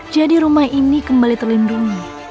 jadi rumah ini kembali terlindungi